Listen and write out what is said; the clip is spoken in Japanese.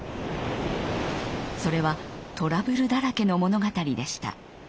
それはトラブルだらけの物語でした。